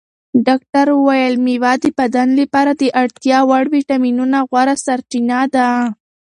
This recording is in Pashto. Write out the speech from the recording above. ډاکتر وویل مېوه د بدن لپاره د اړتیا وړ ویټامینونو غوره سرچینه ده.